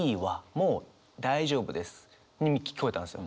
もう大丈夫です」に聞こえたんですよ。